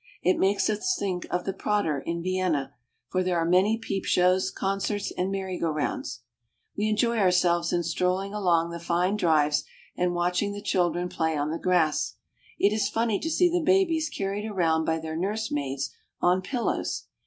It makes us think of the Prater in Vienna, for there are many peep shows, concerts, and merry go rounds. We enjoy ourselves in strolling along the fine drives, and watching the chil dren play on the grass. It is funny to see the babies carried around by their nurse maids on pillows.